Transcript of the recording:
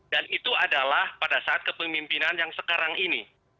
dan itu adalah pada saat kepemimpinan yang sekarang ini